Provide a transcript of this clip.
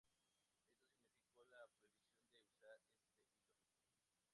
Esto significó la prohibición de usar este hilo.